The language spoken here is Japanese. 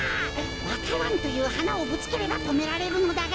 わか蘭というはなをぶつければとめられるのだが。